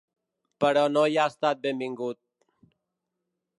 Però no hi ha estat benvingut.